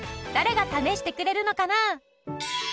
誰が試してくれるのかな？